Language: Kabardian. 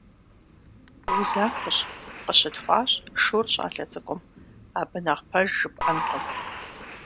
Узахуэщ,- къыщытхъуащ шур щӏалэ цӏыкӏум. - Абы нэхъ пэж жыпӏэнкъым.